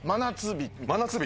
真夏日？